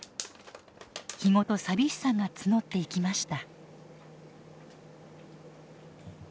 日ごと寂しさが募っていきました。